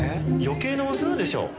余計なお世話でしょ。